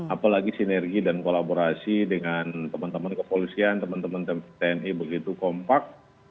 apalagi sinergi dan kolaborasi dengan teman teman kepolisian teman teman tni begitu kompak